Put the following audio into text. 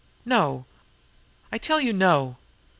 No! I tell you, no!